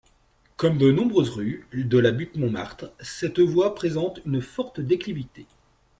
Comme de nombreuses rues de la butte Montmartre, cette voie présente une forte déclivité.